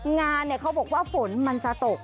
งานเขาบอกว่าฝนมันจะตก